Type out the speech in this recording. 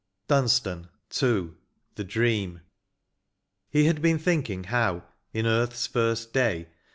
133 LXVI. DQNSTAN. — II. THE DREAM. He had been thinking how, in earth's first day.